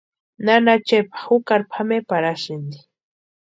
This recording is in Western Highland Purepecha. Nana Chepa jukari pʼameparhasïnti.